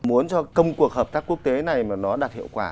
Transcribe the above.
muốn cho công cuộc hợp tác quốc tế này mà nó đạt hiệu quả